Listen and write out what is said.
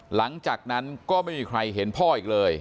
หลังจากนั้นก็ไม่มีใครเห็นพ่ออีกเลย